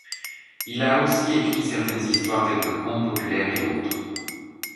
Il a aussi écrit certaines histoires tel que Conte populaire et autres.